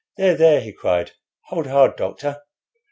"There, there!" he cried, "hold hard, doctor.